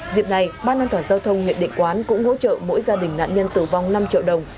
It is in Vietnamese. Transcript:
dịp này ban an toàn giao thông huyện địa quán cũng hỗ trợ mỗi gia đình nạn nhân tử vong năm triệu đồng